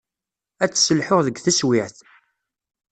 Ad tt-sselḥuɣ deg teswiεt.